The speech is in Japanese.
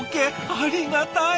ありがたい！